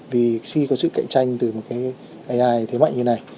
vì khi có sự cạnh tranh từ một cái ai thế mạnh như này